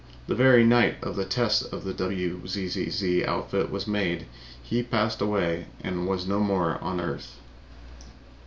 The very night the test of the WZZZ outfit was made he passed away and was no more on earth.